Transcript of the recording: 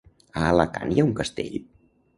A Alacant hi ha un castell?